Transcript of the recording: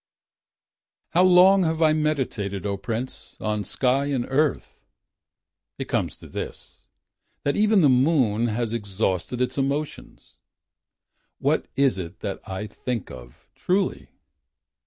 org/ How long have I meditated, 0 Prince, On sky and earth? It comes to this. That even the moon Has exhausted its emotions . What is it that I think of, truly?